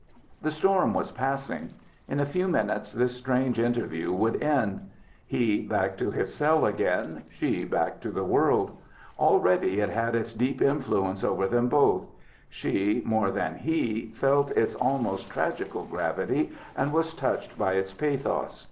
The storm was passing. In a few minutes this strange interview would end: he back to his cell again: she back to the world. Already it had its deep influence over them both. She, more than he, felt its almost tragical gravity, and was touched by its pathos.